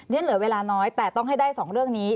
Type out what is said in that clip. เหลือเวลาน้อยแต่ต้องให้ได้๒เรื่องนี้